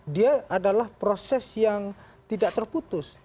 dia adalah proses yang tidak terputus